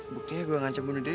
buktinya gue ngancam bunuh diri